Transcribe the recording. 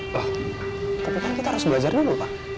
wah tapi kan kita harus belajar dulu pak